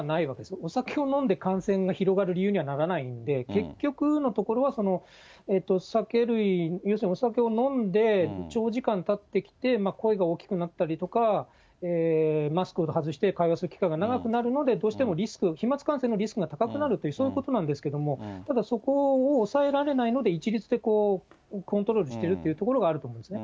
お酒を飲んで感染が広がる理由にはならないんで、結局のところはその酒類、要するにお酒を飲んで長時間たってきて、声が大きくなったりとか、マスクを外して会話する機会が長くなるので、どうしてもリスク、飛まつ感染のリスクが高くなるっていう、そういうことなんですけども、ただそこを抑えられないので、一律でコントロールしているというところがあると思うんですね。